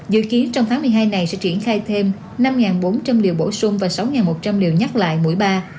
dự kiến trong tháng một mươi hai này sẽ triển khai thêm năm bốn trăm linh liều bổ sung và sáu một trăm linh liều nhắc lại mỗi ba